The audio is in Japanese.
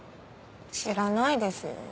知らないですよ。